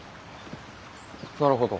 なるほど。